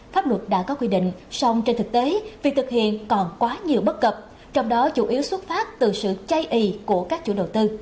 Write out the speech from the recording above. pháp luật đã có quy định song trên thực tế việc thực hiện còn quá nhiều bất cập trong đó chủ yếu xuất phát từ sự chay y của các chủ đầu tư